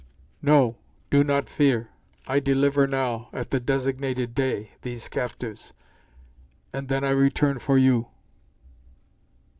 "No; do not fear. I deliver now, at the designated day, these captives. And then I return for you."